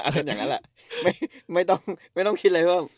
เล่นอย่างนั้นแหละไม่ต้องคิดอะไรหรอก